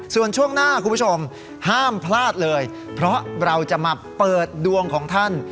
ส่วนช่วงหน้าคุณผู้ชมห้ามพลาดเลยเพราะเราจะมาเปิดดวงของท่าน